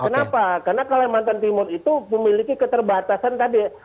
kenapa karena kalimantan timur itu memiliki keterbatasan tadi